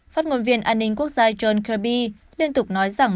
phát ngôn viên an ninh quốc gia john kirby liên tục nói rằng